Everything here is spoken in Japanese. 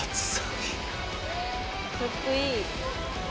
かっこいい。